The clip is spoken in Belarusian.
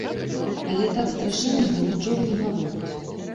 Але так страшэннага нічога не гавораць.